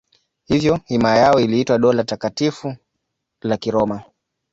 Hivyo himaya yao iliitwa Dola Takatifu la Kiroma.